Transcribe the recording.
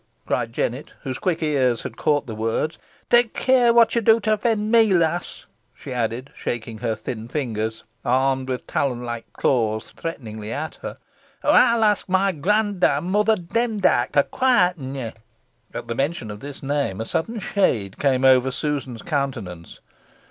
cried Jennet, whose quick ears had caught the words, "Tak care whot ye do to offend me, lass," she added, shaking her thin fingers, armed with talon like claws, threateningly at her, "or ey'll ask my granddame, Mother Demdike, to quieten ye." At the mention of this name a sudden shade came over Susan's countenance.